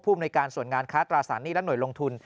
อำนวยการส่วนงานค้าตราสารหนี้และหน่วยลงทุน